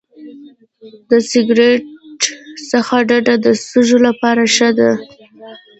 د سګرټ څخه ډډه د سږو لپاره ښه ده.